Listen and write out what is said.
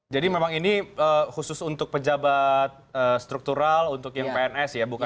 jadi memang ini khusus untuk pejabat struktural untuk yang pns ya bukan